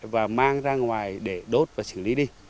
và mang ra ngoài để đốt và xử lý đi